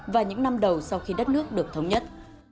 và những năm đầu sau khi đất nước được thống nhất